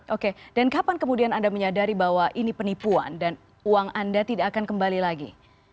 oke dan kapan kemudian anda menyadari bahwa ini penipuan dan uang anda tidak akan kembali lagi